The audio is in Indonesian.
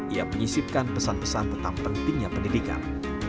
ia menyisipkan pesan pesan tentang pentingnya pendidikan